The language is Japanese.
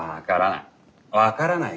分からない。